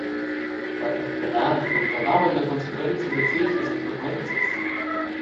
Quei partenadi cun Tavau ei la consequenza da cefras e frequenzas.